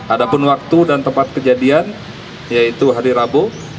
ada pun waktu dan tempat kejadian yaitu hari rabu